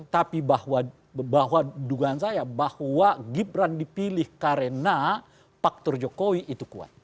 tapi bahwa dugaan saya bahwa gibran dipilih karena faktor jokowi itu kuat